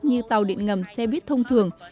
như tàu điện ngầm xe buýt thông thường